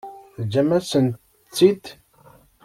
Teǧǧam-asent-tt-id.